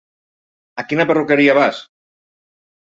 A quina perruqueria vas?